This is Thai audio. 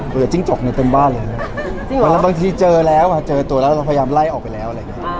จิ้งจกในเต็มบ้านเลยนะบางทีเจอแล้วอ่ะเจอตัวแล้วเราพยายามไล่ออกไปแล้วอะไรอย่างเงี้ย